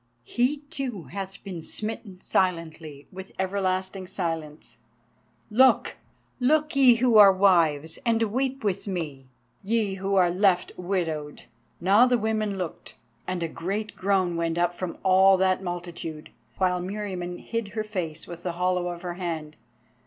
He too hath been smitten silently with everlasting silence. Look! look! ye who are wives, and weep with me, ye who are left widowed." Now the women looked, and a great groan went up from all that multitude, while Meriamun hid her face with the hollow of her hand.